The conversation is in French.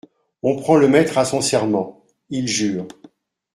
On prend le maître à son serment : il jure.